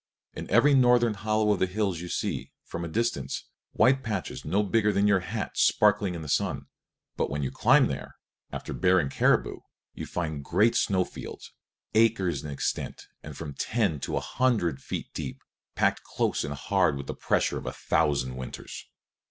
In every northern hollow of the hills you see, from a distance, white patches no bigger than your hat sparkling in the sun; but when you climb there, after bear or caribou, you find great snow fields, acres in extent and from ten to a hundred feet deep, packed close and hard with the pressure of a thousand winters.